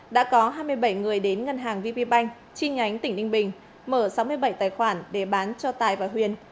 đã có hai mươi bảy người đến ngân hàng vp bank chi nhánh tỉnh ninh bình mở sáu mươi bảy tài khoản để bán cho tài và huyền